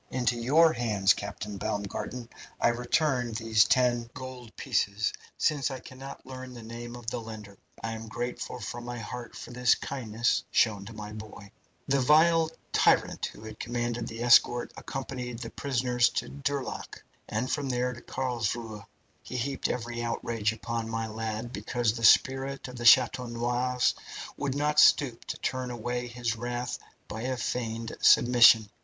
Into your hands, Captain Baumgarten, I return these ten gold pieces, since I cannot learn the name of the lender. I am grateful from my heart for this kindness shown to my boy. "The vile tyrant who commanded the escort accompanied the prisoners to Durlack, and from there to Carlsruhe. He heaped every outrage upon my lad, because the spirit of the Chateau Noirs would not stoop to turn away his wrath by a feigned submission.